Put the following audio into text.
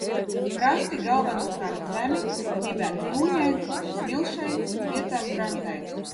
Krasti galvenokārt zemi, dibens dūņains, smilšains, vietām – grantains.